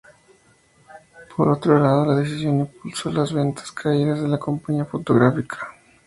Por otro lado, la decisión impulsó las ventas caídas de la compañía fotográfica.